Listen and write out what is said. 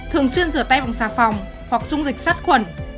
thường xuyên rửa tay bằng xà phòng hoặc dung dịch sát khuẩn